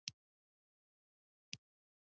• باران د سیندونو پر مخ نرۍ څپې راوړي.